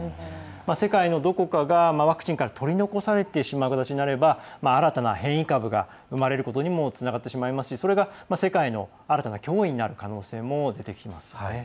世界のどこかが、ワクチンから取り残される形になれば新たな変異株が生まれることにもつながってしまいますしそれが、新たな世界の脅威になる可能性も出てきています。